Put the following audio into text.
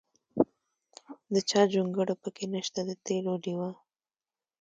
د چا جونګړه پکې نشته د تېلو ډیوه.